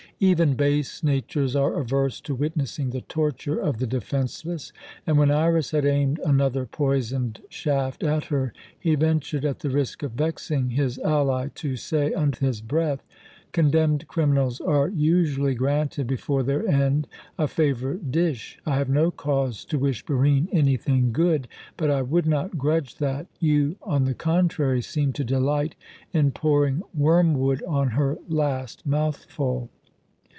Even base natures are averse to witnessing the torture of the defenceless, and when Iras had aimed another poisoned shaft at her, he ventured, at the risk of vexing his ally, to say, under his breath: "Condemned criminals are usually granted, before their end, a favourite dish. I have no cause to wish Barine anything good; but I would not grudge that. You, on the contrary, seem to delight in pouring wormwood on her last mouthful."